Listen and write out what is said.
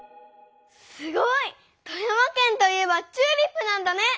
すごい！富山県といえばチューリップなんだね！